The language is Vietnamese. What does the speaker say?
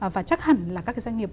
và chắc hẳn là các cái doanh nghiệp